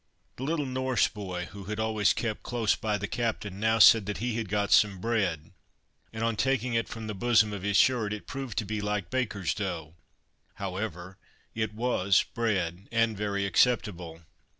The little Norse boy, who had always kept close by the captain, now said that he had got some bread, and on taking it from the bosom of his shirt, it proved to be like baker's dough; however, it was bread, and very acceptable.